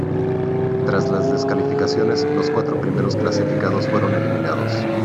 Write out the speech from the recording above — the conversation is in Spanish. Tras las descalificaciones, los cuatro primeros clasificados fueron eliminados.